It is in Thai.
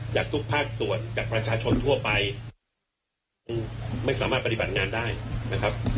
จากทุกภาคส่วนจากประชาชนทั่วไปคงไม่สามารถปฏิบัติงานได้นะครับ